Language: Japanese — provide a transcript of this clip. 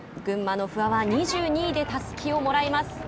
群馬の不破は２２位でたすきをもらいます。